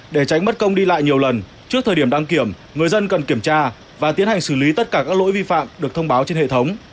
để tránh mất công đi lại nhiều lần trước thời điểm đăng kiểm người dân cần kiểm tra và tiến hành xử lý tất cả các lỗi vi phạm được thông báo trên hệ thống